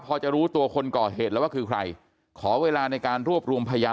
พอจะรู้ตัวคนก่อเหตุแล้วว่าคือใครขอเวลาในการรวบรวมพยาน